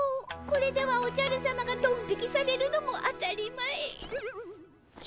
これではおじゃるさまがドン引きされるのも当たり前。